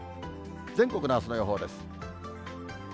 全国のあすの予報です。